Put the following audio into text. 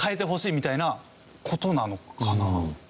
みたいな事なのかな？